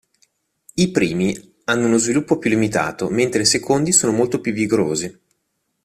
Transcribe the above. I primi hanno uno sviluppo più limitato mentre i secondi sono molto più vigorosi.